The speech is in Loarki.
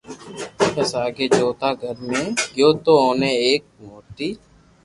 پسو آگي چوٿا گھر ۾ گيو تو اوني ايڪ موٺي